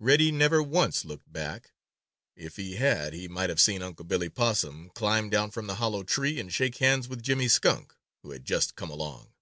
Reddy never once looked back. If he had, he might have seen Unc' Billy Possum climb down from the hollow tree and shake hands with Jimmy Skunk, who had just come along.